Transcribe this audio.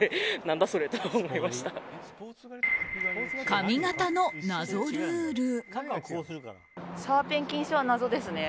髪形の謎ルール。